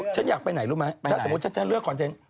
ฉันอยากไปไหนรู้มั้ย